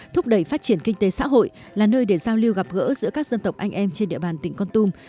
thúc đẩy phát triển kinh tế xã hội là nơi để giao lưu gặp gỡ giữa các dân tộc anh em trên địa bàn tỉnh con tum